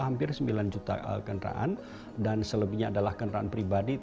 hampir sembilan juta kendaraan dan selebihnya adalah kendaraan pribadi itu dua delapan juta